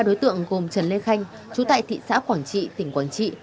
hai đối tượng gồm trần lê khanh trú tại thị xã quảng trị tỉnh quảng trị